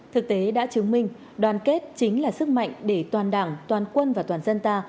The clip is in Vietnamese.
thực tế đã chứng minh đoàn kết chính là sức mạnh để toàn đảng toàn quân và toàn dân ta